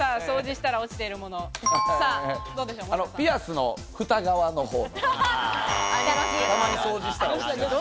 ピアスのふた側のほう。